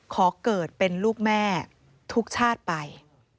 ขอเกิดเป็นลูกแม่ทุกชาติไป